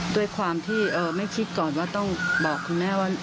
ด้วยความที่ไม่คิดก่อนว่าต้องบอกคุณแม่ว่า